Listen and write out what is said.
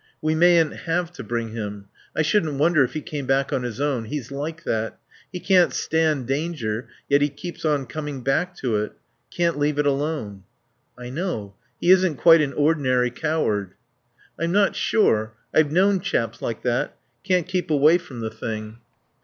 "We mayn't have to bring him. I shouldn't wonder if he came back on his own. He's like that. He can't stand danger yet he keeps on coming back to it. Can't leave it alone." "I know. He isn't quite an ordinary coward." "I'm not sure. I've known chaps like that. Can't keep away from the thing."